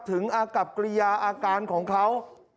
อากับกริยาอาการของเขา